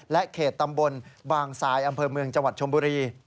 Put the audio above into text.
เขตตำบลบางทรายอำเภอเมืองจังหวัดชมบุรี